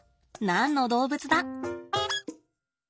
何の動物だ？